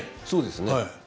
そうですね。